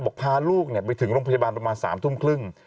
พาลูกไปถึงโรงพยาบาลประมาณ๓ทุ่มครึ่ง